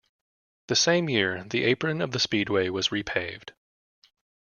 The same year, the apron of the speedway was repaved.